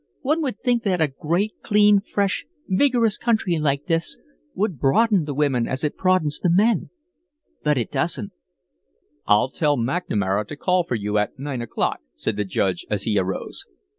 One would think that a great, clean, fresh, vigorous country like this would broaden the women as it broadens the men but it doesn't." "I'll tell McNamara to call for you at nine o'clock," said the Judge as he arose.